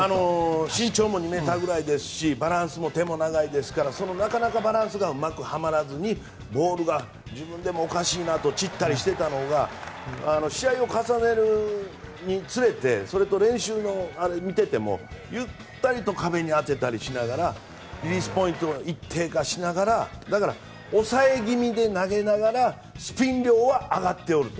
身長も２ｍぐらいですしバランスも手も長いですからなかなかバランスがうまくはまらずにボールが自分でもおかしいなと散っていたのが試合を重ねるにつれてそれと練習を見ていてもゆったりと壁に当てたりしながらリリースポイントを一定化しながらだから、抑え気味に投げながらスピン量は上がっていると。